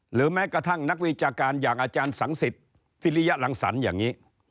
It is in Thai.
แม้กระทั่งนักวิชาการอย่างอาจารย์สังสิทธิ์พิริยรังสรรค์อย่างนี้